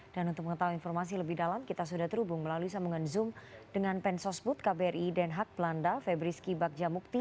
dan untuk mengetahui informasi lebih dalam kita sudah terhubung melalui sambungan zoom dengan pensosbud kbri den haag belanda febriski bagjamukti